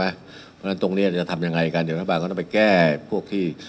เพราะฉะนั้นตรงนี้จะทำยังไงกันเดี๋ยวรัฐบาลก็ต้องไปแก้พวกที่